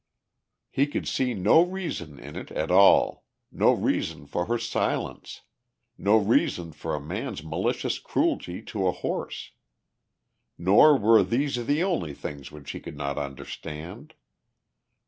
He could see no reason in it all, no reason for her silence, no reason for a man's malicious cruelty to a horse. Nor were these the only things which he could not understand.